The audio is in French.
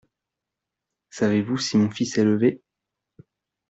Savez-vous si mon fils est levé ?